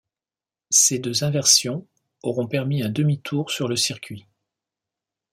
Ces deux inversions auront permis un demi tour sur le circuit.